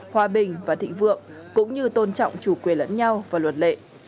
hòa bình và thịnh vượng cũng như tôn trọng chủ quyền lẫn nhau và luật lệ